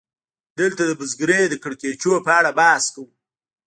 دلته د بزګرۍ د کړکېچونو په اړه بحث کوو